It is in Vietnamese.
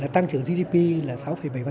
tăng trưởng gdp là sáu bảy